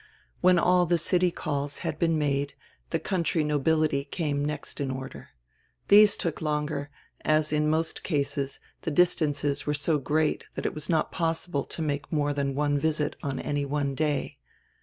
When all the city calls had been made the country nobility came next in order. These took longer, as in most cases the distances were so great that it was not possible to make more than one visit on any one day.